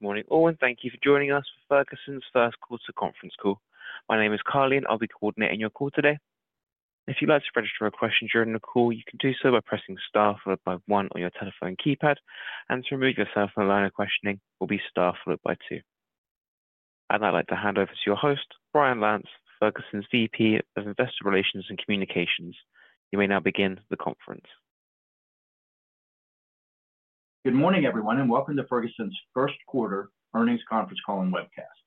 Good morning, all, and thank you for joining us for Ferguson's first quarter conference call. My name is Carly, and I'll be coordinating your call today. If you'd like to register a question during the call, you can do so by pressing star followed by one on your telephone keypad, and to withdraw your question, it will be star followed by two, and I'd like to hand over to your host, Brian Lantz, Ferguson's VP of Investor Relations and Communications. You may now begin the conference. Good morning, everyone, and welcome to Ferguson's first quarter earnings conference call and webcast.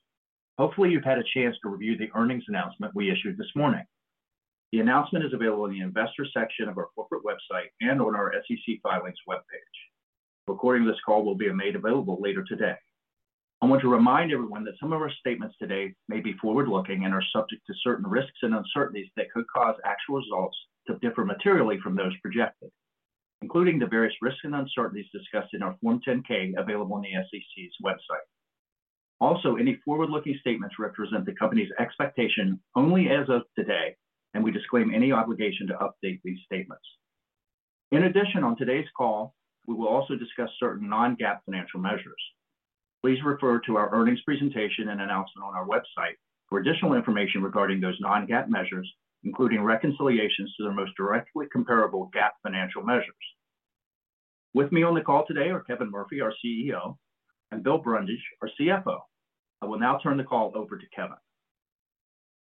Hopefully, you've had a chance to review the earnings announcement we issued this morning. The announcement is available in the investor section of our corporate website and on our SEC filings webpage. Recording of this call will be made available later today. I want to remind everyone that some of our statements today may be forward-looking and are subject to certain risks and uncertainties that could cause actual results to differ materially from those projected, including the various risks and uncertainties discussed in our Form 10-K available on the SEC's website. Also, any forward-looking statements represent the company's expectation only as of today, and we disclaim any obligation to update these statements. In addition, on today's call, we will also discuss certain non-GAAP financial measures. Please refer to our earnings presentation and announcement on our website for additional information regarding those non-GAAP measures, including reconciliations to their most directly comparable GAAP financial measures. With me on the call today are Kevin Murphy, our CEO, and Bill Brundage, our CFO. I will now turn the call over to Kevin.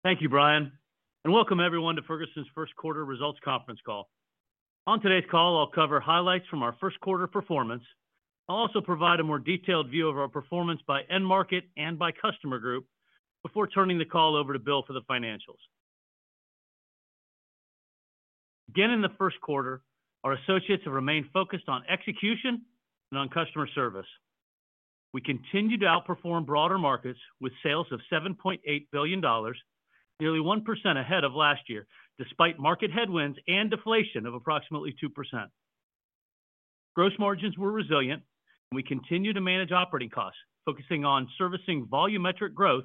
Thank you, Brian, and welcome everyone to Ferguson's first quarter results conference call. On today's call, I'll cover highlights from our first quarter performance. I'll also provide a more detailed view of our performance by end market and by customer group before turning the call over to Bill for the financials. Again, in the first quarter, our associates have remained focused on execution and on customer service. We continue to outperform broader markets with sales of $7.8 billion, nearly 1% ahead of last year, despite market headwinds and deflation of approximately 2%. Gross margins were resilient, and we continue to manage operating costs, focusing on servicing volumetric growth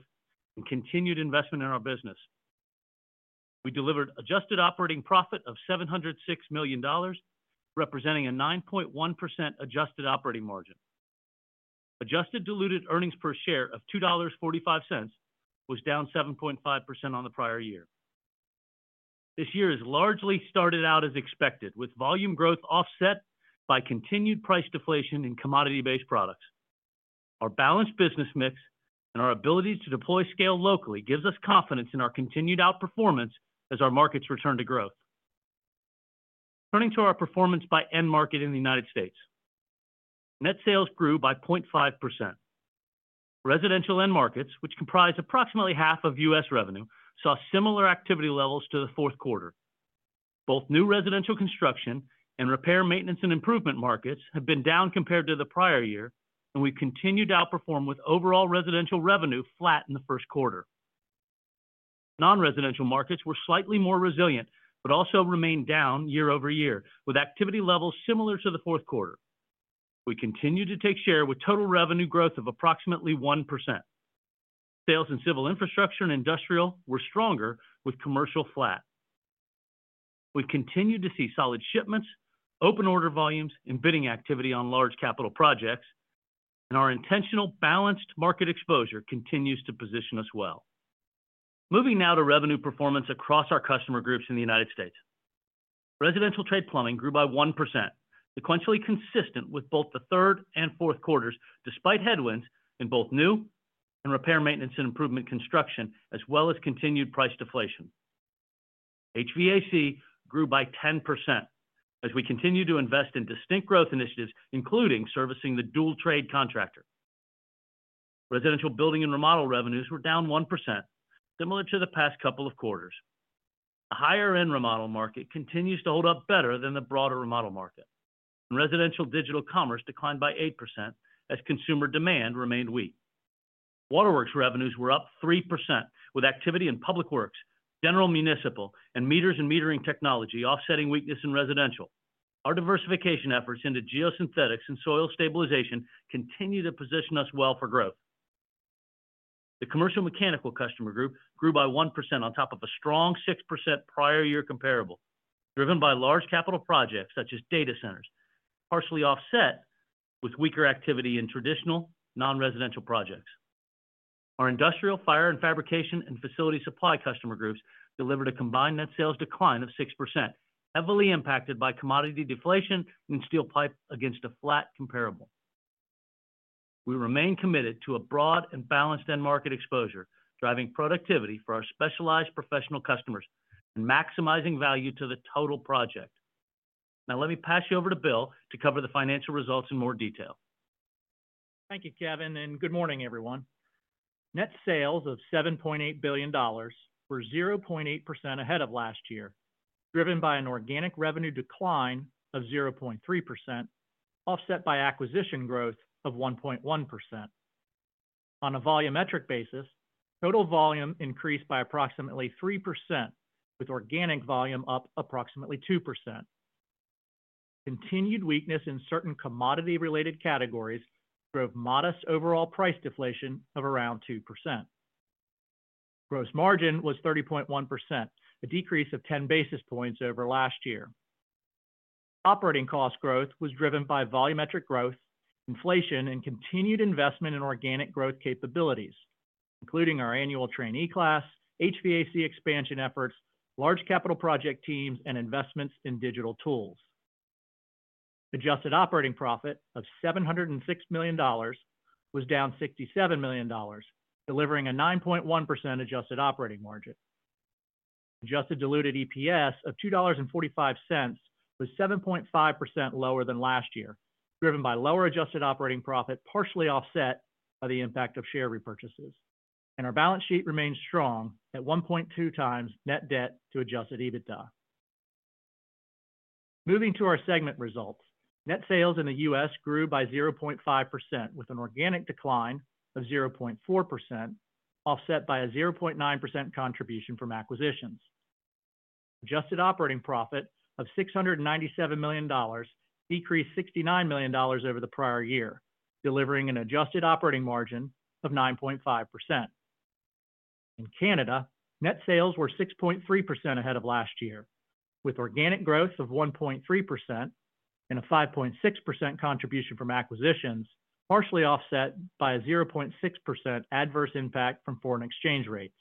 and continued investment in our business. We delivered adjusted operating profit of $706 million, representing a 9.1% adjusted operating margin. Adjusted diluted earnings per share of $2.45 was down 7.5% on the prior year. This year has largely started out as expected, with volume growth offset by continued price deflation in commodity-based products. Our balanced business mix and our ability to deploy scale locally gives us confidence in our continued outperformance as our markets return to growth. Turning to our performance by end market in the United States, net sales grew by 0.5%. Residential end markets, which comprise approximately half of U.S. revenue, saw similar activity levels to the fourth quarter. Both new residential construction and repair, maintenance, and improvement markets have been down compared to the prior year, and we continued to outperform with overall residential revenue flat in the first quarter. Non-residential markets were slightly more resilient but also remained down year over year, with activity levels similar to the fourth quarter. We continued to take share with total revenue growth of approximately 1%. Sales in civil infrastructure and industrial were stronger, with commercial flat. We've continued to see solid shipments, open order volumes, and bidding activity on large capital projects, and our intentional balanced market exposure continues to position us well. Moving now to revenue performance across our customer groups in the United States. Residential trade plumbing grew by 1%, sequentially consistent with both the third and fourth quarters, despite headwinds in both new and repair, maintenance, and improvement construction, as well as continued price deflation. HVAC grew by 10% as we continue to invest in distinct growth initiatives, including servicing the dual-trade contractor. Residential building and remodel revenues were down 1%, similar to the past couple of quarters. The higher-end remodel market continues to hold up better than the broader remodel market, and residential digital commerce declined by 8% as consumer demand remained weak. Waterworks revenues were up 3%, with activity in public works, general municipal, and meters and metering technology offsetting weakness in residential. Our diversification efforts into geosynthetics and soil stabilization continue to position us well for growth. The commercial mechanical customer group grew by 1% on top of a strong 6% prior-year comparable, driven by large capital projects such as data centers, partially offset with weaker activity in traditional non-residential projects. Our industrial, fire, and fabrication and facility supply customer groups delivered a combined net sales decline of 6%, heavily impacted by commodity deflation and steel pipe against a flat comparable. We remain committed to a broad and balanced end market exposure, driving productivity for our specialized professional customers and maximizing value to the total project. Now, let me pass you over to Bill to cover the financial results in more detail. Thank you, Kevin, and good morning, everyone. Net sales of $7.8 billion were 0.8% ahead of last year, driven by an organic revenue decline of 0.3%, offset by acquisition growth of 1.1%. On a volumetric basis, total volume increased by approximately 3%, with organic volume up approximately 2%. Continued weakness in certain commodity-related categories drove modest overall price deflation of around 2%. Gross margin was 30.1%, a decrease of 10 basis points over last year. Operating cost growth was driven by volumetric growth, inflation, and continued investment in organic growth capabilities, including our annual trainee class, HVAC expansion efforts, large capital project teams, and investments in digital tools. Adjusted operating profit of $706 million was down $67 million, delivering a 9.1% adjusted operating margin. Adjusted diluted EPS of $2.45 was 7.5% lower than last year, driven by lower adjusted operating profit, partially offset by the impact of share repurchases. Our balance sheet remains strong at 1.2x net debt to Adjusted EBITDA. Moving to our segment results, net sales in the U.S. grew by 0.5%, with an organic decline of 0.4%, offset by a 0.9% contribution from acquisitions. Adjusted operating profit of $697 million decreased $69 million over the prior year, delivering an adjusted operating margin of 9.5%. In Canada, net sales were 6.3% ahead of last year, with organic growth of 1.3% and a 5.6% contribution from acquisitions, partially offset by a 0.6% adverse impact from foreign exchange rates.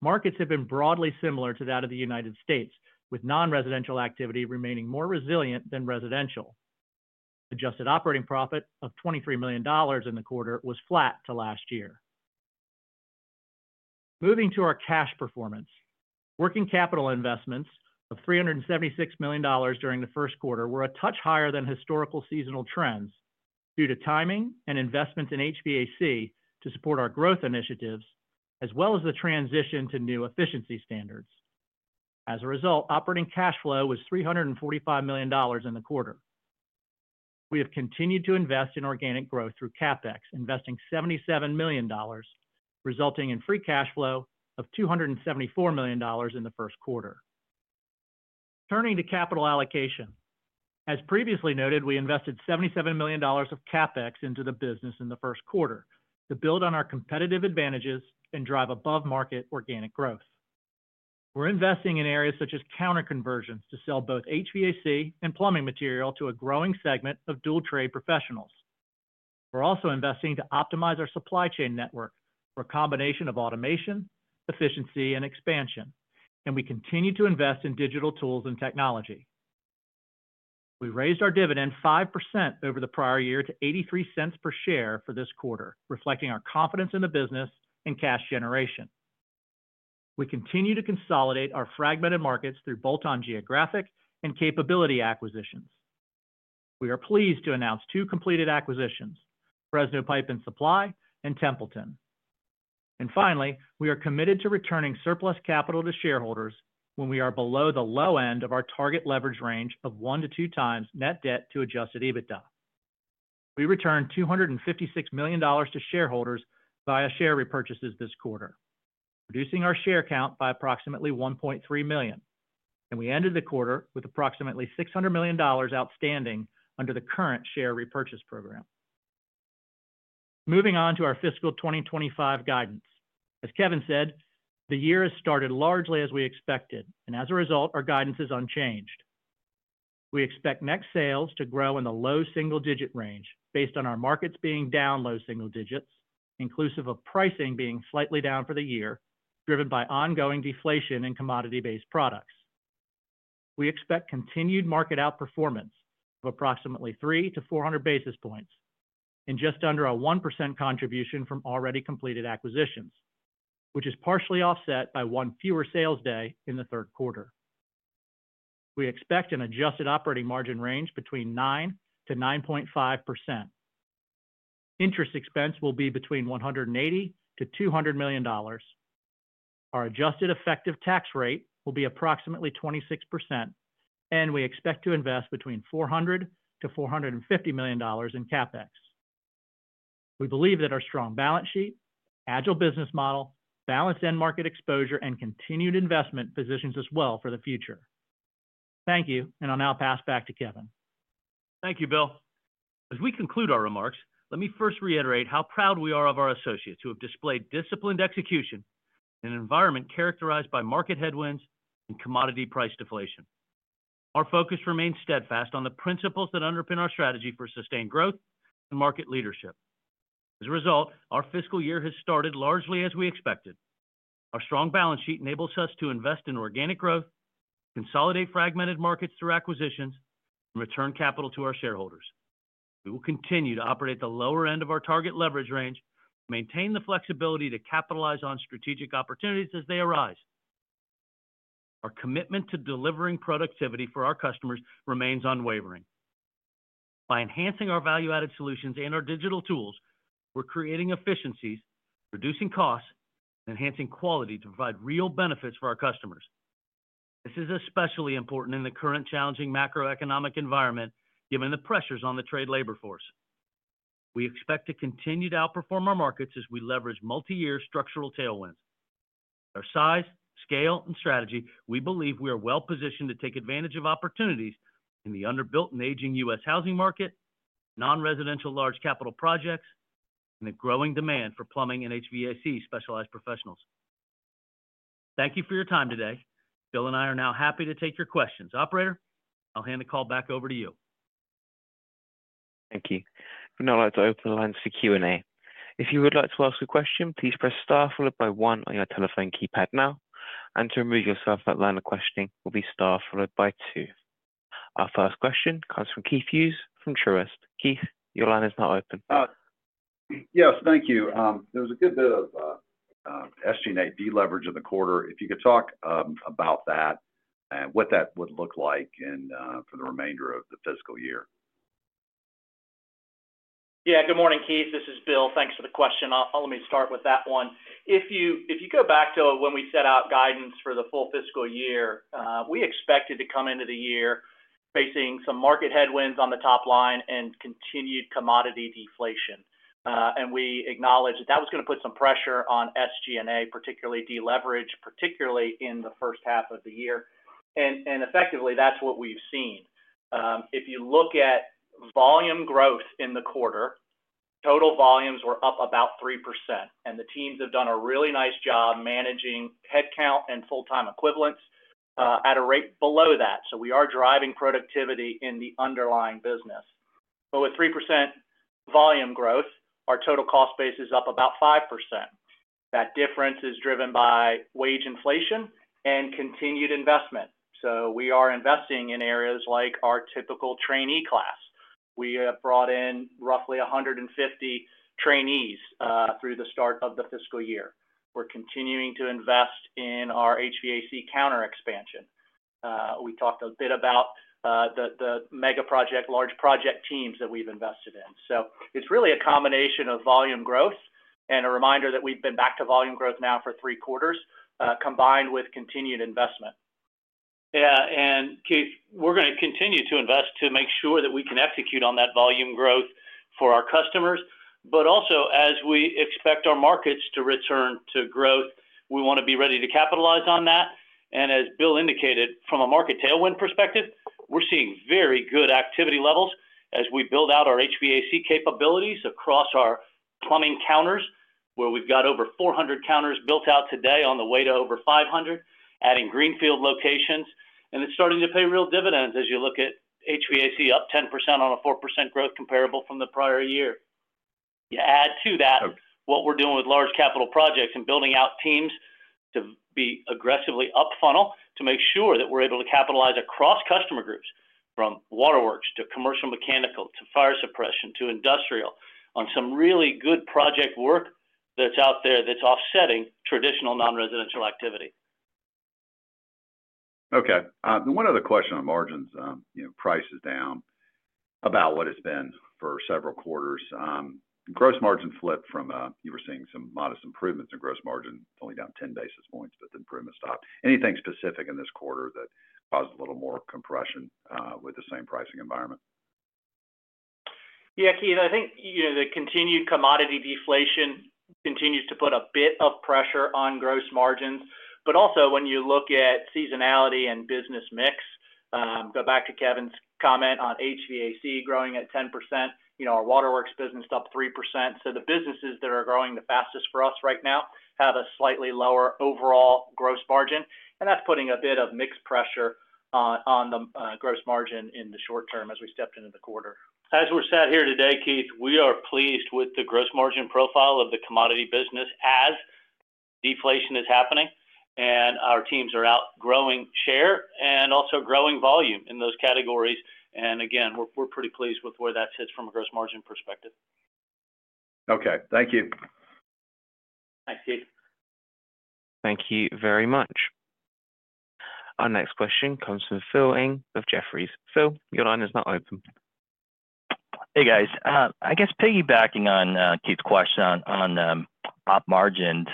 Markets have been broadly similar to that of the United States, with non-residential activity remaining more resilient than residential. Adjusted operating profit of $23 million in the quarter was flat to last year. Moving to our cash performance, working capital investments of $376 million during the first quarter were a touch higher than historical seasonal trends due to timing and investments in HVAC to support our growth initiatives, as well as the transition to new efficiency standards. As a result, operating cash flow was $345 million in the quarter. We have continued to invest in organic growth through CapEx, investing $77 million, resulting in free cash flow of $274 million in the first quarter. Turning to capital allocation, as previously noted, we invested $77 million of CapEx into the business in the first quarter to build on our competitive advantages and drive above-market organic growth. We're investing in areas such as counter-conversions to sell both HVAC and plumbing material to a growing segment of dual-trade professionals. We're also investing to optimize our supply chain network for a combination of automation, efficiency, and expansion, and we continue to invest in digital tools and technology. We raised our dividend 5% over the prior year to $0.83 per share for this quarter, reflecting our confidence in the business and cash generation. We continue to consolidate our fragmented markets through bolt-on geographic and capability acquisitions. We are pleased to announce two completed acquisitions: Fresno Pipe & Supply and Templeton. And finally, we are committed to returning surplus capital to shareholders when we are below the low end of our target leverage range of 1x to 2x net debt to adjusted EBITDA. We returned $256 million to shareholders via share repurchases this quarter, reducing our share count by approximately 1.3 million, and we ended the quarter with approximately $600 million outstanding under the current share repurchase program. Moving on to our fiscal 2025 guidance. As Kevin said, the year has started largely as we expected, and as a result, our guidance is unchanged. We expect net sales to grow in the low single-digit range based on our markets being down low single digits, inclusive of pricing being slightly down for the year, driven by ongoing deflation in commodity-based products. We expect continued market outperformance of approximately 300-400 basis points and just under a 1% contribution from already completed acquisitions, which is partially offset by one fewer sales day in the third quarter. We expect an adjusted operating margin range between 9%-9.5%. Interest expense will be between $180 million-$200 million. Our adjusted effective tax rate will be approximately 26%, and we expect to invest between $400 million-$450 million in CapEx. We believe that our strong balance sheet, agile business model, balanced end market exposure, and continued investment positions us well for the future. Thank you, and I'll now pass back to Kevin. Thank you, Bill. As we conclude our remarks, let me first reiterate how proud we are of our associates who have displayed disciplined execution in an environment characterized by market headwinds and commodity price deflation. Our focus remains steadfast on the principles that underpin our strategy for sustained growth and market leadership. As a result, our fiscal year has started largely as we expected. Our strong balance sheet enables us to invest in organic growth, consolidate fragmented markets through acquisitions, and return capital to our shareholders. We will continue to operate the lower end of our target leverage range to maintain the flexibility to capitalize on strategic opportunities as they arise. Our commitment to delivering productivity for our customers remains unwavering. By enhancing our value-added solutions and our digital tools, we're creating efficiencies, reducing costs, and enhancing quality to provide real benefits for our customers. This is especially important in the current challenging macroeconomic environment, given the pressures on the trade labor force. We expect to continue to outperform our markets as we leverage multi-year structural tailwinds. With our size, scale, and strategy, we believe we are well-positioned to take advantage of opportunities in the underbuilt and aging U.S. housing market, non-residential large capital projects, and the growing demand for plumbing and HVAC specialized professionals. Thank you for your time today. Bill and I are now happy to take your questions. Operator, I'll hand the call back over to you. Thank you. We now like to open the line for Q&A. If you would like to ask a question, please press star followed by one on your telephone keypad now, and to remove yourself that line of questioning will be star followed by two. Our first question comes from Keith Hughes from Truist. Keith, your line is now open. Yes, thank you. There was a good bit of SG&A de-leverage in the quarter. If you could talk about that and what that would look like for the remainder of the fiscal year. Yeah, good morning, Keith. This is Bill. Thanks for the question. Let me start with that one. If you go back to when we set out guidance for the full fiscal year, we expected to come into the year facing some market headwinds on the top line and continued commodity deflation. And we acknowledged that that was going to put some pressure on SG&A, particularly deleverage, particularly in the first half of the year. And effectively, that's what we've seen. If you look at volume growth in the quarter, total volumes were up about 3%, and the teams have done a really nice job managing headcount and full-time equivalents at a rate below that. So we are driving productivity in the underlying business. But with 3% volume growth, our total cost base is up about 5%. That difference is driven by wage inflation and continued investment. So we are investing in areas like our typical trainee class. We have brought in roughly 150 trainees through the start of the fiscal year. We're continuing to invest in our HVAC counter expansion. We talked a bit about the mega project, large project teams that we've invested in. So it's really a combination of volume growth and a reminder that we've been back to volume growth now for three quarters, combined with continued investment. Yeah, and Keith, we're going to continue to invest to make sure that we can execute on that volume growth for our customers. But also, as we expect our markets to return to growth, we want to be ready to capitalize on that. As Bill indicated, from a market tailwind perspective, we're seeing very good activity levels as we build out our HVAC capabilities across our plumbing counters, where we've got over 400 counters built out today on the way to over 500, adding greenfield locations. It's starting to pay real dividends as you look at HVAC up 10% on a 4% growth comparable from the prior year. You add to that what we're doing with large capital projects and building out teams to be aggressively up-funnel to make sure that we're able to capitalize across customer groups from waterworks to commercial mechanical to fire suppression to industrial on some really good project work that's out there that's offsetting traditional non-residential activity. Okay. One other question on margins. Price is down about what it's been for several quarters. Gross margin flip from you were seeing some modest improvements in gross margin, only down 10 basis points, but the improvement stopped. Anything specific in this quarter that caused a little more compression with the same pricing environment? Yeah, Keith, I think the continued commodity deflation continues to put a bit of pressure on gross margins. But also, when you look at seasonality and business mix, go back to Kevin's comment on HVAC growing at 10%. Our waterworks business is up 3%. So the businesses that are growing the fastest for us right now have a slightly lower overall gross margin. And that's putting a bit of mixed pressure on the gross margin in the short term as we stepped into the quarter. As we're sat here today, Keith, we are pleased with the gross margin profile of the commodity business as deflation is happening. And our teams are out growing share and also growing volume in those categories. And again, we're pretty pleased with where that sits from a gross margin perspective. Okay. Thank you. Thanks, Keith. Thank you very much. Our next question comes from Philip Ng of Jefferies. Phil, your line is now open. Hey, guys. I guess piggybacking on Keith's question on op margins,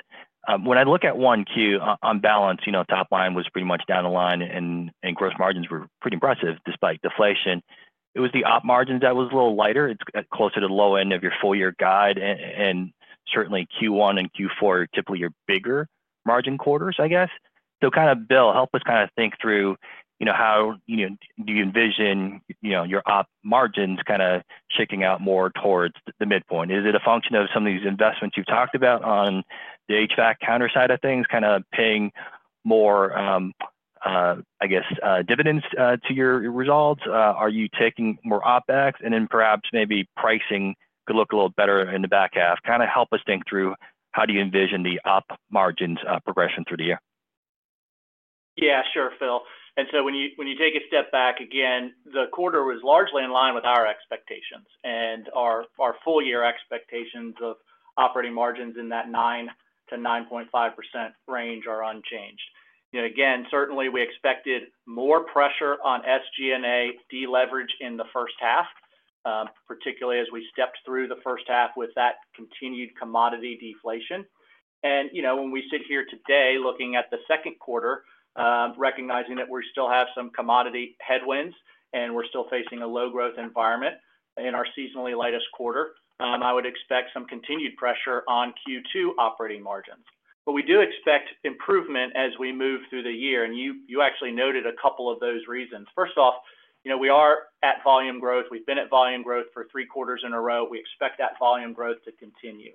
when I look at Q1, on balance, top line was pretty much down the line, and gross margins were pretty impressive despite deflation. It was the op margins that was a little lighter. It's closer to the low end of your full-year guide. And certainly, Q1 and Q4 typically are bigger margin quarters, I guess. So kind of, Bill, help us kind of think through how do you envision your op margins kind of shaking out more towards the midpoint? Is it a function of some of these investments you've talked about on the HVAC counter side of things, kind of paying more, I guess, dividends to your results? Are you taking more OpEx? And then perhaps maybe pricing could look a little better in the back half. Kind of help us think through how do you envision the op margins progression through the year? Yeah, sure, Phil. And so when you take a step back, again, the quarter was largely in line with our expectations. And our full-year expectations of operating margins in that 9%-9.5% range are unchanged. Again, certainly, we expected more pressure on SG&A de-leverage in the first half, particularly as we stepped through the first half with that continued commodity deflation. And when we sit here today looking at the second quarter, recognizing that we still have some commodity headwinds and we're still facing a low-growth environment in our seasonally lightest quarter, I would expect some continued pressure on Q2 operating margins. But we do expect improvement as we move through the year. And you actually noted a couple of those reasons. First off, we are at volume growth. We've been at volume growth for three quarters in a row. We expect that volume growth to continue.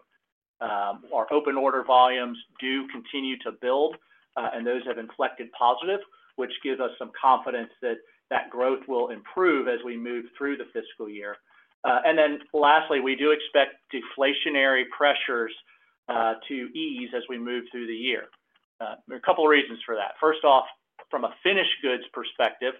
Our open order volumes do continue to build, and those have inflected positive, which gives us some confidence that that growth will improve as we move through the fiscal year, and then lastly, we do expect deflationary pressures to ease as we move through the year. A couple of reasons for that. First off, from a finished goods perspective,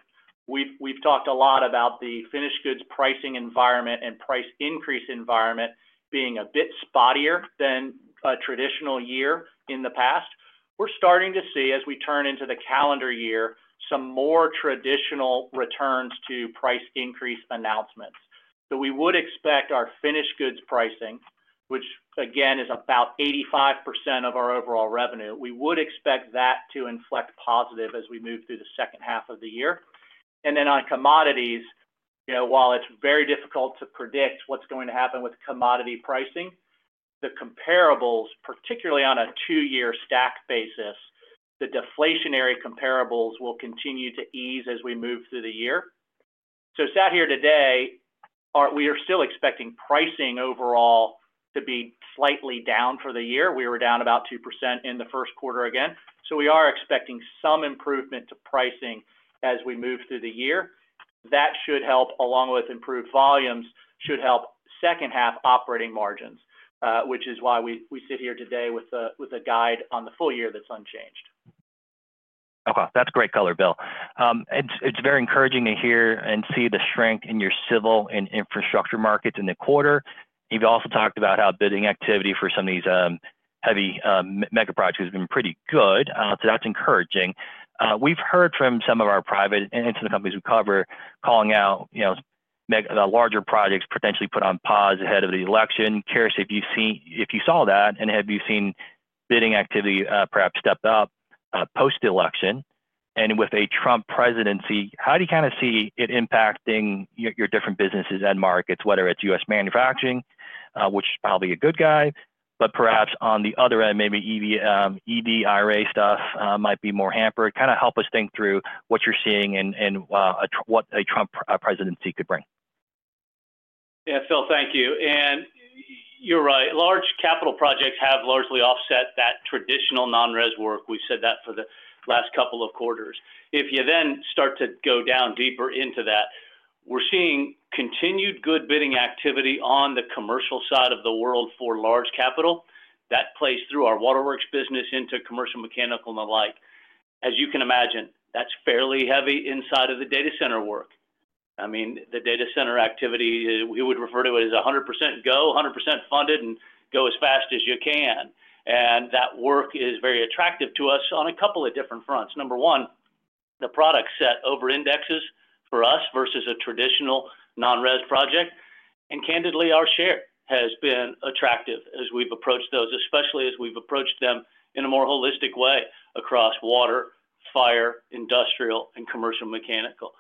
we've talked a lot about the finished goods pricing environment and price increase environment being a bit spottier than a traditional year in the past. We're starting to see, as we turn into the calendar year, some more traditional returns to price increase announcements. So we would expect our finished goods pricing, which again is about 85% of our overall revenue, we would expect that to inflect positive as we move through the second half of the year. And then on commodities, while it's very difficult to predict what's going to happen with commodity pricing, the comparables, particularly on a two-year stack basis, the deflationary comparables will continue to ease as we move through the year. So, as we sit here today, we are still expecting pricing overall to be slightly down for the year. We were down about 2% in the first quarter again. So we are expecting some improvement in pricing as we move through the year. That should help, along with improved volumes, should help second-half operating margins, which is why we sit here today with guidance on the full year that's unchanged. Okay. That's great color, Bill. It's very encouraging to hear and see the strength in your civil and infrastructure markets in the quarter. You've also talked about how bidding activity for some of these heavy mega projects has been pretty good. So that's encouraging. We've heard from some of our private and some of the companies we cover calling out the larger projects potentially put on pause ahead of the election. Curious if you saw that, and have you seen bidding activity perhaps step up post-election? And with a Trump presidency, how do you kind of see it impacting your different businesses and markets, whether it's U.S. manufacturing, which is probably a good guy, but perhaps on the other end, maybe EV, IRA stuff might be more hampered? Kind of help us think through what you're seeing and what a Trump presidency could bring. Yeah, Phil, thank you. And you're right. Large capital projects have largely offset that traditional non-res work. We've said that for the last couple of quarters. If you then start to go down deeper into that, we're seeing continued good bidding activity on the commercial side of the world for large capital. That plays through our waterworks business into commercial mechanical and the like. As you can imagine, that's fairly heavy inside of the data center work. I mean, the data center activity, we would refer to it as 100% go, 100% funded, and go as fast as you can. And that work is very attractive to us on a couple of different fronts. Number one, the product set over indexes for us versus a traditional non-res project. Candidly, our share has been attractive as we've approached those, especially as we've approached them in a more holistic way across water, fire, industrial, and commercial mechanical.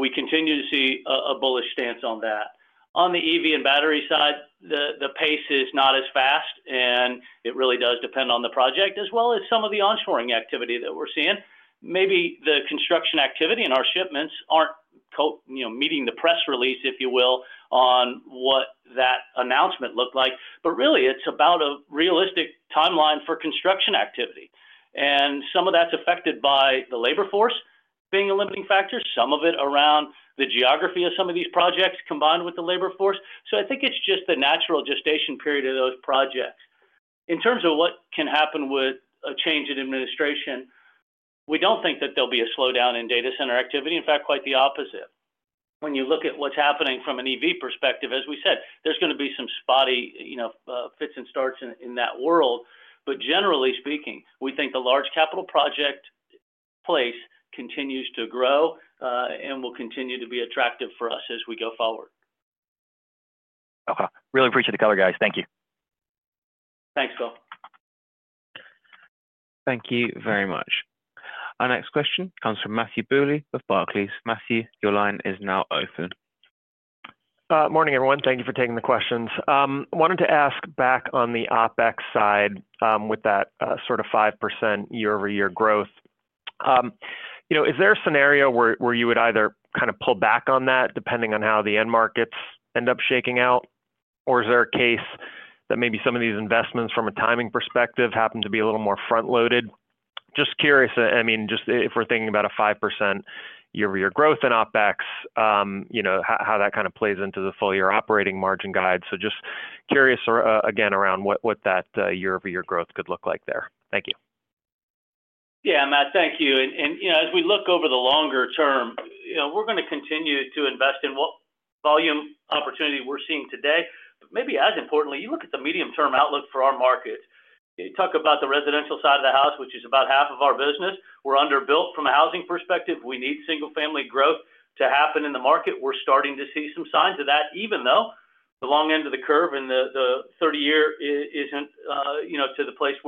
We continue to see a bullish stance on that. On the EV and battery side, the pace is not as fast, and it really does depend on the project, as well as some of the onshoring activity that we're seeing. Maybe the construction activity and our shipments aren't meeting the press release, if you will, on what that announcement looked like. Really, it's about a realistic timeline for construction activity. Some of that's affected by the labor force being a limiting factor, some of it around the geography of some of these projects combined with the labor force. I think it's just the natural gestation period of those projects. In terms of what can happen with a change in administration, we don't think that there'll be a slowdown in data center activity. In fact, quite the opposite. When you look at what's happening from an EV perspective, as we said, there's going to be some spotty fits and starts in that world. But generally speaking, we think the large capital project place continues to grow and will continue to be attractive for us as we go forward. Okay. Really appreciate the color, guys. Thank you. Thanks, Phil. Thank you very much. Our next question comes from Matthew Bouley of Barclays. Matthew, your line is now open. Morning, everyone. Thank you for taking the questions. Wanted to ask back on the OpEx side with that sort of 5% year-over-year growth. Is there a scenario where you would either kind of pull back on that depending on how the end markets end up shaking out? Or is there a case that maybe some of these investments from a timing perspective happen to be a little more front-loaded? Just curious, I mean, just if we're thinking about a 5% year-over-year growth in OpEx, how that kind of plays into the full-year operating margin guide. So just curious again around what that year-over-year growth could look like there. Thank you. Yeah, Matt, thank you. And as we look over the longer term, we're going to continue to invest in what volume opportunity we're seeing today. But maybe as importantly, you look at the medium-term outlook for our markets. You talk about the residential side of the house, which is about half of our business. We're underbuilt from a housing perspective. We need single-family growth to happen in the market. We're starting to see some signs of that, even though the long end of the curve and the 30-year isn't to the place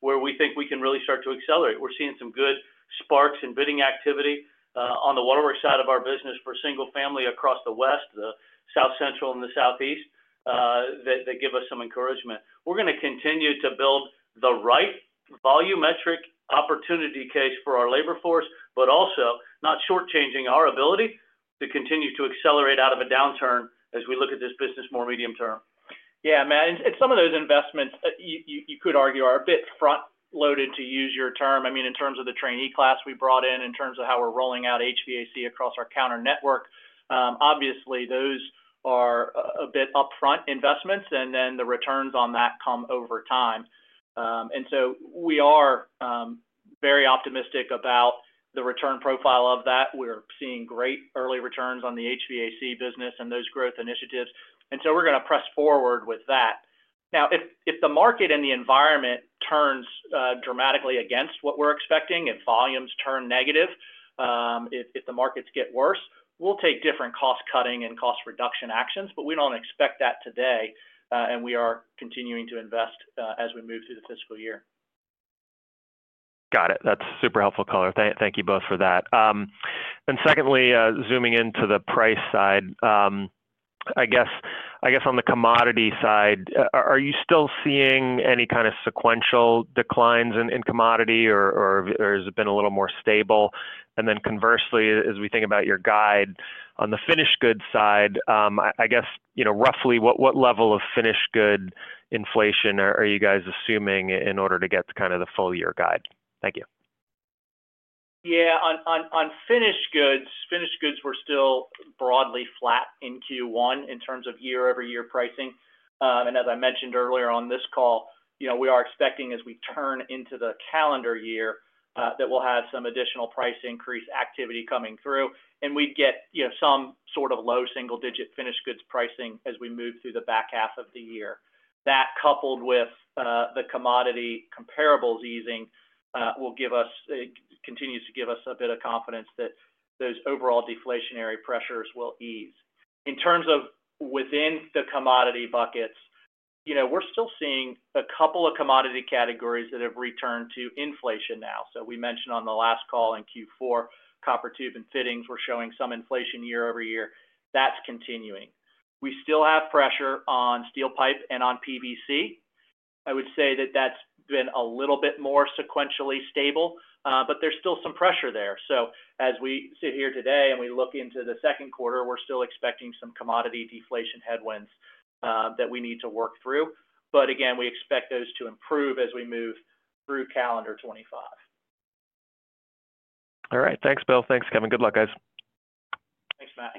where we think we can really start to accelerate. We're seeing some good sparks and bidding activity on the waterworks side of our business for single-family across the West, the South-Central, and the Southeast that give us some encouragement. We're going to continue to build the right volumetric opportunity case for our labor force, but also not shortchanging our ability to continue to accelerate out of a downturn as we look at this business more medium-term. Yeah, man. And some of those investments, you could argue, are a bit front-loaded, to use your term. I mean, in terms of the trainee class we brought in, in terms of how we're rolling out HVAC across our counter network, obviously, those are a bit upfront investments, and then the returns on that come over time. And so we are very optimistic about the return profile of that. We're seeing great early returns on the HVAC business and those growth initiatives. And so we're going to press forward with that. Now, if the market and the environment turns dramatically against what we're expecting, if volumes turn negative, if the markets get worse, we'll take different cost-cutting and cost-reduction actions. But we don't expect that today. And we are continuing to invest as we move through the fiscal year. Got it. That's super helpful, color. Thank you both for that. And secondly, zooming into the price side, I guess on the commodity side, are you still seeing any kind of sequential declines in commodity, or has it been a little more stable? And then conversely, as we think about your guide on the finished goods side, I guess roughly what level of finished good inflation are you guys assuming in order to get kind of the full-year guide? Thank you. Yeah. On finished goods, finished goods were still broadly flat in Q1 in terms of year-over-year pricing. And as I mentioned earlier on this call, we are expecting as we turn into the calendar year that we'll have some additional price increase activity coming through. And we'd get some sort of low single-digit finished goods pricing as we move through the back half of the year. That, coupled with the commodity comparables easing, will continue to give us a bit of confidence that those overall deflationary pressures will ease. In terms of within the commodity buckets, we're still seeing a couple of commodity categories that have returned to inflation now. So we mentioned on the last call in Q4, copper tube and fittings were showing some inflation year-over-year. That's continuing. We still have pressure on steel pipe and on PVC. I would say that that's been a little bit more sequentially stable, but there's still some pressure there. So as we sit here today and we look into the second quarter, we're still expecting some commodity deflation headwinds that we need to work through. But again, we expect those to improve as we move through calendar 2025. All right. Thanks, Bill. Thanks, Kevin. Good luck, guys. Thanks, Matt.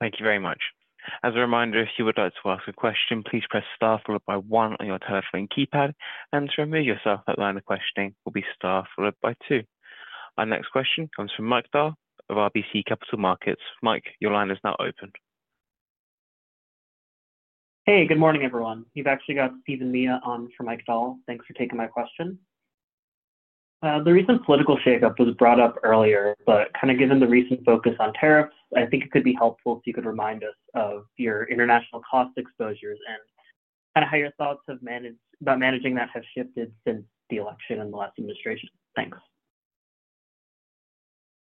Thank you very much. As a reminder, if you would like to ask a question, please press star followed by one on your telephone keypad. And to remove yourself, that line of questioning will be star followed by two. Our next question comes from Mike Dahl of RBC Capital Markets. Mike, your line is now open. Hey, good morning, everyone. You've actually got Steven on for Mike Dahl. Thanks for taking my question. The recent political shakeup was brought up earlier, but kind of given the recent focus on tariffs, I think it could be helpful if you could remind us of your international cost exposures and kind of how your thoughts about managing that have shifted since the election and the last administration? Thanks.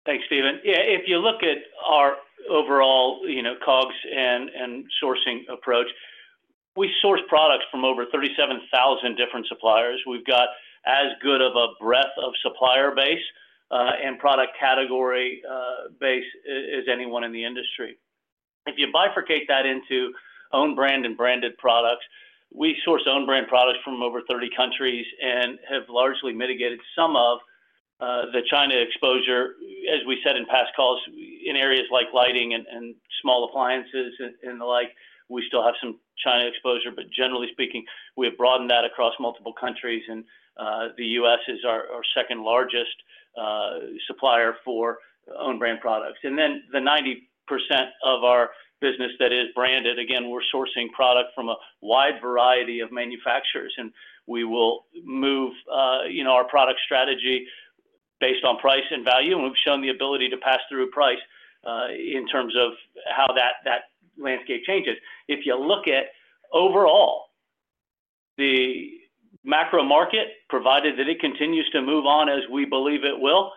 Thanks, Steven. Yeah, if you look at our overall COGS and sourcing approach, we source products from over 37,000 different suppliers. We've got as good of a breadth of supplier base and product category base as anyone in the industry. If you bifurcate that into own brand and branded products, we source own brand products from over 30 countries and have largely mitigated some of the China exposure. As we said in past calls, in areas like lighting and small appliances and the like, we still have some China exposure. But generally speaking, we have broadened that across multiple countries. And the U.S. is our second largest supplier for own brand products. And then the 90% of our business that is branded, again, we're sourcing product from a wide variety of manufacturers. And we will move our product strategy based on price and value. We've shown the ability to pass through price in terms of how that landscape changes. If you look at overall, the macro market, provided that it continues to move on as we believe it will,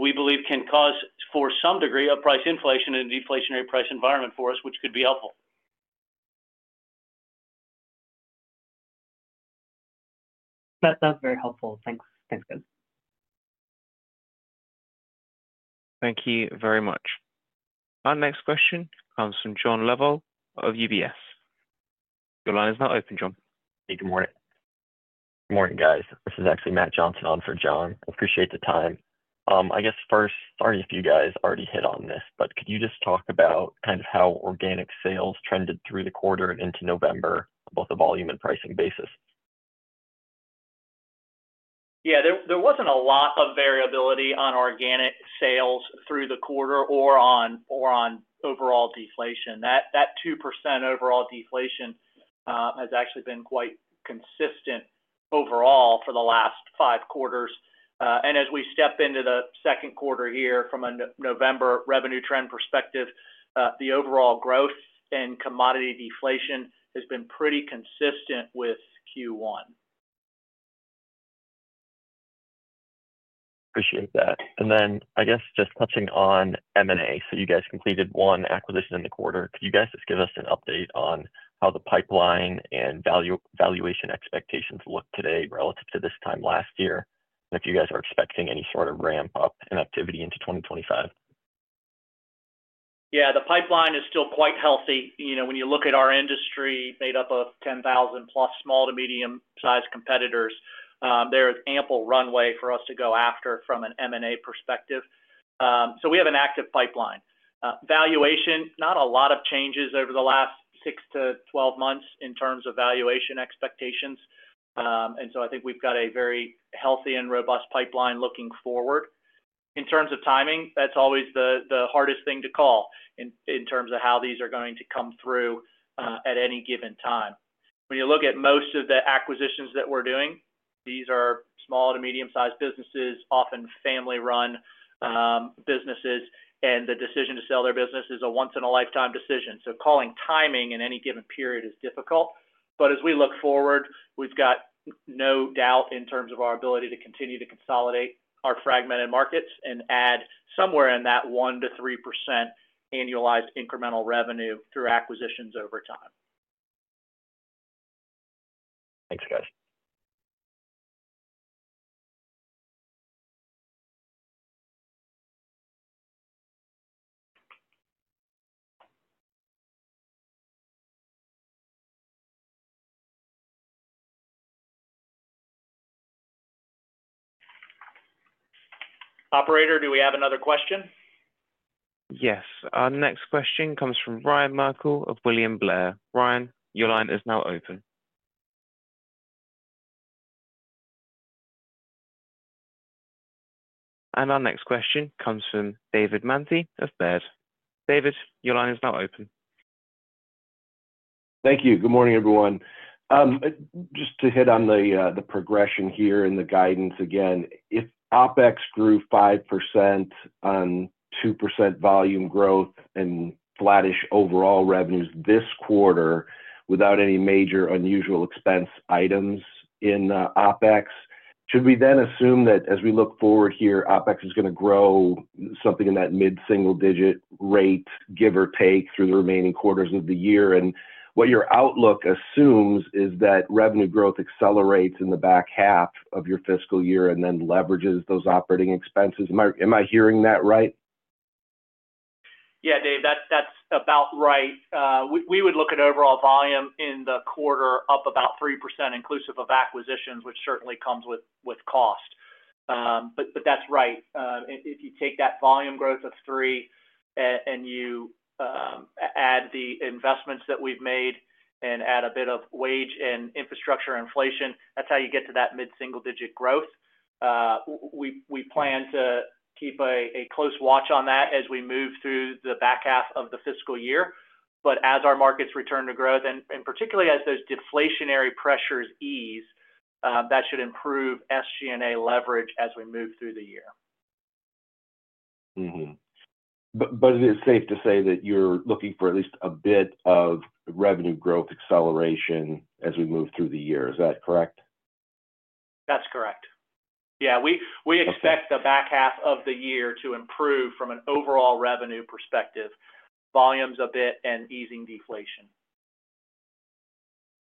we believe can cause for some degree of price inflation and a deflationary price environment for us, which could be helpful. That's very helpful. Thanks, guys. Thank you very much. Our next question comes from John Lovallo of UBS. Your line is now open, John. Hey, good morning. Good morning, guys. This is actually Matt Johnson on for John. Appreciate the time. I guess first, sorry if you guys already hit on this, but could you just talk about kind of how organic sales trended through the quarter and into November, both the volume and pricing basis? Yeah, there wasn't a lot of variability on organic sales through the quarter or on overall deflation. That 2% overall deflation has actually been quite consistent overall for the last five quarters. And as we step into the second quarter here from a November revenue trend perspective, the overall growth and commodity deflation has been pretty consistent with Q1. Appreciate that. And then I guess just touching on M&A. So you guys completed one acquisition in the quarter. Could you guys just give us an update on how the pipeline and valuation expectations look today relative to this time last year? And if you guys are expecting any sort of ramp-up in activity into 2025? Yeah, the pipeline is still quite healthy. When you look at our industry made up of 10,000+ small to medium-sized competitors, there is ample runway for us to go after from an M&A perspective, so we have an active pipeline. Valuation, not a lot of changes over the last six to 12 months in terms of valuation expectations, and so I think we've got a very healthy and robust pipeline looking forward. In terms of timing, that's always the hardest thing to call in terms of how these are going to come through at any given time. When you look at most of the acquisitions that we're doing, these are small to medium-sized businesses, often family-run businesses, and the decision to sell their business is a once-in-a-lifetime decision, so calling timing in any given period is difficult. But as we look forward, we've got no doubt in terms of our ability to continue to consolidate our fragmented markets and add somewhere in that 1%-3% annualized incremental revenue through acquisitions over time. Thanks, guys. Operator, do we have another question? Yes. Our next question comes from Ryan Merkel of William Blair. Ryan, your line is now open. And our next question comes from David Manthey of Baird. David, your line is now open. Thank you. Good morning, everyone. Just to hit on the progression here in the guidance again, if OpEx grew 5% on 2% volume growth and flattish overall revenues this quarter without any major unusual expense items in OpEx, should we then assume that as we look forward here, OpEx is going to grow something in that mid-single-digit rate, give or take, through the remaining quarters of the year? And what your outlook assumes is that revenue growth accelerates in the back half of your fiscal year and then leverages those operating expenses. Am I hearing that right? Yeah, Dave, that's about right. We would look at overall volume in the quarter up about 3% inclusive of acquisitions, which certainly comes with cost. But that's right. If you take that volume growth of 3% and you add the investments that we've made and add a bit of wage and infrastructure inflation, that's how you get to that mid-single-digit growth. We plan to keep a close watch on that as we move through the back half of the fiscal year. But as our markets return to growth, and particularly as those deflationary pressures ease, that should improve SG&A leverage as we move through the year. But is it safe to say that you're looking for at least a bit of revenue growth acceleration as we move through the year? Is that correct? That's correct. Yeah. We expect the back half of the year to improve from an overall revenue perspective, volumes a bit, and easing deflation.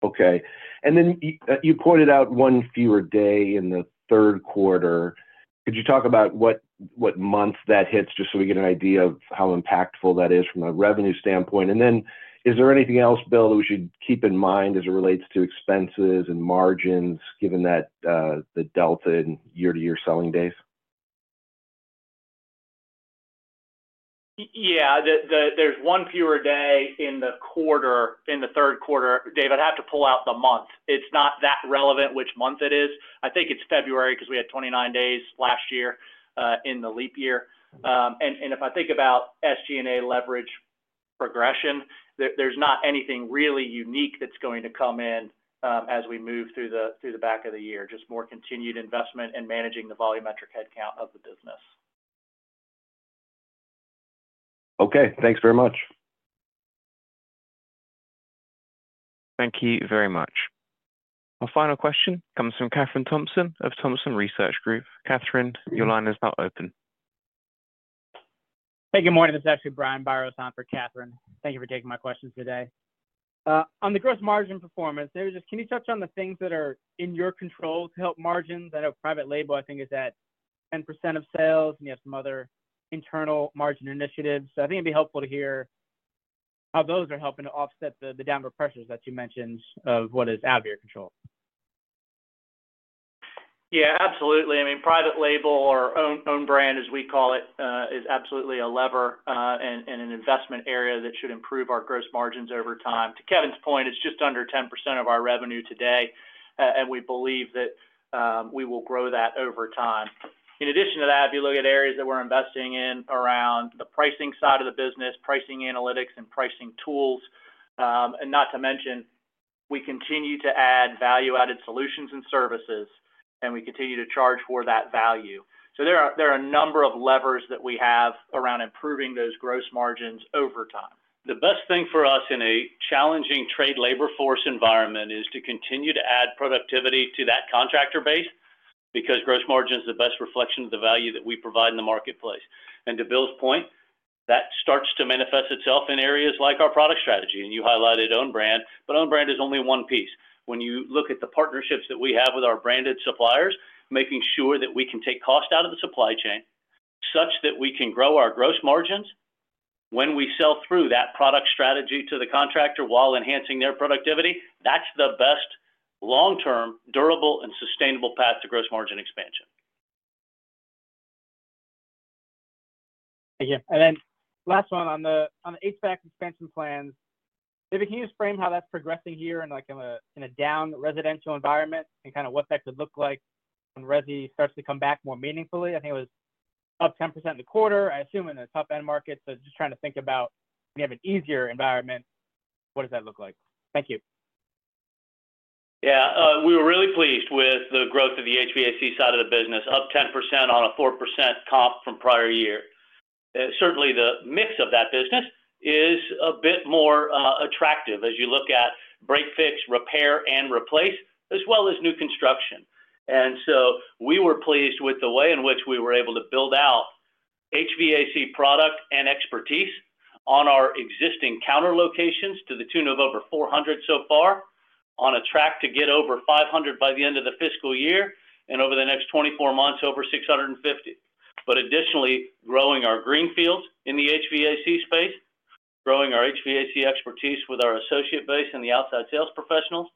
Okay. And then you pointed out one fewer day in the third quarter. Could you talk about what month that hits, just so we get an idea of how impactful that is from a revenue standpoint? And then is there anything else, Bill, that we should keep in mind as it relates to expenses and margins, given the delta in year-to-year selling days? Yeah. There's one fewer day in the third quarter. Dave, I'd have to pull out the month. It's not that relevant which month it is. I think it's February because we had 29 days last year in the leap year. And if I think about SG&A leverage progression, there's not anything really unique that's going to come in as we move through the back of the year, just more continued investment and managing the volumetric headcount of the business. Okay. Thanks very much. Thank you very much. Our final question comes from Kathryn Thompson of Thompson Research Group. Kathryn, your line is now open. Hey, good morning. This is actually Brian Biros on for Kathryn. Thank you for taking my questions today. On the gross margin performance, Dave, just can you touch on the things that are in your control to help margins? I know private label, I think, is at 10% of sales, and you have some other internal margin initiatives. So I think it'd be helpful to hear how those are helping to offset the downward pressures that you mentioned of what is out of your control. Yeah, absolutely. I mean, private label or own brand, as we call it, is absolutely a lever and an investment area that should improve our gross margins over time. To Kevin's point, it's just under 10% of our revenue today, and we believe that we will grow that over time. In addition to that, if you look at areas that we're investing in around the pricing side of the business, pricing analytics, and pricing tools, and not to mention, we continue to add value-added solutions and services, and we continue to charge for that value. So there are a number of levers that we have around improving those gross margins over time. The best thing for us in a challenging trade labor force environment is to continue to add productivity to that contractor base because gross margin is the best reflection of the value that we provide in the marketplace. To Bill's point, that starts to manifest itself in areas like our product strategy. You highlighted own brand, but own brand is only one piece. When you look at the partnerships that we have with our branded suppliers, making sure that we can take cost out of the supply chain such that we can grow our gross margins when we sell through that product strategy to the contractor while enhancing their productivity, that's the best long-term, durable, and sustainable path to gross margin expansion. Thank you. And then last one on the HVAC expansion plans. If you can just frame how that's progressing here in a down residential environment and kind of what that could look like when resi starts to come back more meaningfully. I think it was up 10% in the quarter, I assume, in the top-end markets. So just trying to think about when you have an easier environment, what does that look like? Thank you. Yeah. We were really pleased with the growth of the HVAC side of the business, up 10% on a 4% comp from prior year. Certainly, the mix of that business is a bit more attractive as you look at break, fix, repair, and replace, as well as new construction. And so we were pleased with the way in which we were able to build out HVAC product and expertise on our existing counter locations to the tune of over 400 so far, on track to get over 500 by the end of the fiscal year, and over the next 24 months, over 650. But additionally, growing our greenfields in the HVAC space, growing our HVAC expertise with our associate base and the outside sales professionals,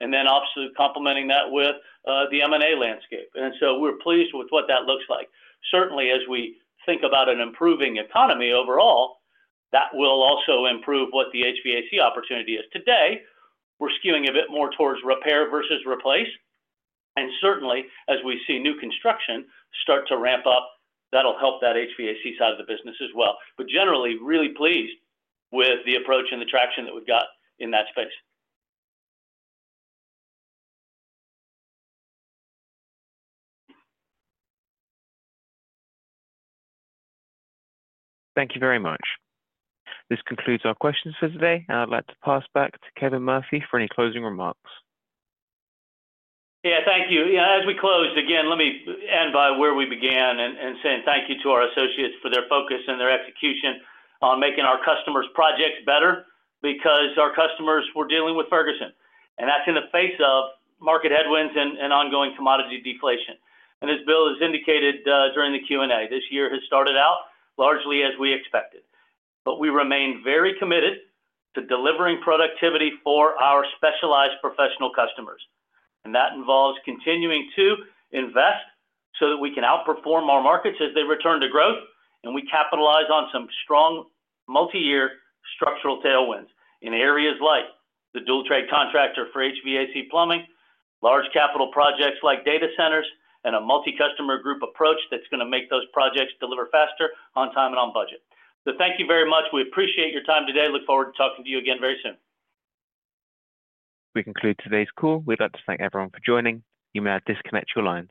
and then obviously complementing that with the M&A landscape. And so we're pleased with what that looks like. Certainly, as we think about an improving economy overall, that will also improve what the HVAC opportunity is. Today, we're skewing a bit more towards repair versus replace, and certainly, as we see new construction start to ramp up, that'll help that HVAC side of the business as well, but generally, really pleased with the approach and the traction that we've got in that space. Thank you very much. This concludes our questions for today. I'd like to pass back to Kevin Murphy for any closing remarks. Yeah, thank you. Yeah, as we close, again, let me end by where we began and saying thank you to our associates for their focus and their execution on making our customers' projects better because our customers were dealing with Ferguson. And that's in the face of market headwinds and ongoing commodity deflation. And as Bill has indicated during the Q&A, this year has started out largely as we expected. But we remain very committed to delivering productivity for our specialized professional customers. And that involves continuing to invest so that we can outperform our markets as they return to growth, and we capitalize on some strong multi-year structural tailwinds in areas like the dual-trade contractor for HVAC plumbing, large capital projects like data centers, and a multi-customer group approach that's going to make those projects deliver faster, on time, and on budget. So thank you very much. We appreciate your time today. Look forward to talking to you again very soon. We conclude today's call. We'd like to thank everyone for joining. You may now disconnect your lines.